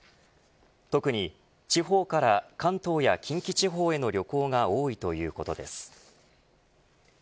特に地方から関東や近畿地方への旅行が多いということです。